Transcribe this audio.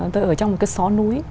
tôi ở trong một cái xó núi